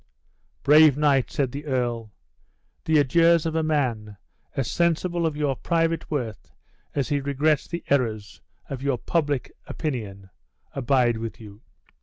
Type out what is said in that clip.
"Brave knight," said the earl, "the adieus of a man, as sensible of your private worth as he regrets the errors of your public opinion, abide with you."